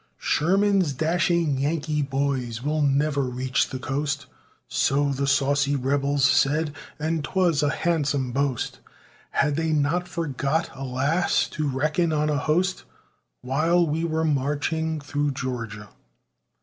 "Sherman's dashing Yankee boys will never reach the coast!" So the saucy rebels said and 'twas a handsome boast, Had they not forgot, alas! to reckon on a host, While we were marching through Georgia.